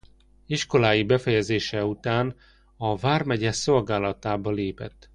Iskolái befejezése után a vármegye szolgálatába lépett.